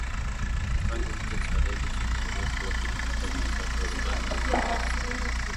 Kipande hicho cha reli chenye urefu wa kilometa mia tatu arobaini na moja